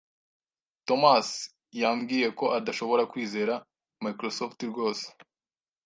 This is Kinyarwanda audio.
Tomas yambwiye ko adashobora kwizera Microsoft rwose.